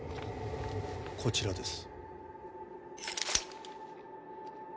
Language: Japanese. こちらです。